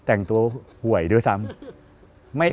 แต่งตัวหวยด้วยซ้ำ